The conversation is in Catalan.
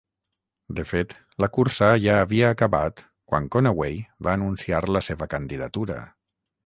De fet, la cursa ja havia acabat quan Conaway va anunciar la seva candidatura.